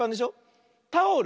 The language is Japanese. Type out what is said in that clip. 「タオル」